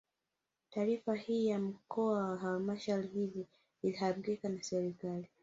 Taarifa hii ya mikoa na halmashauri hizi ilihakikiwa na serikali